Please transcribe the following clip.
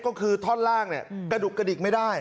ก็คือท่อนล่างเนี่ยกระดุกกระดิกไม่ได้